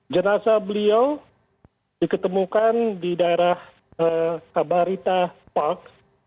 jenazah beliau diketemukan di daerah kabarita park